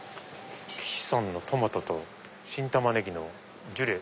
「岸さんのトマトと新たまねぎのジュレ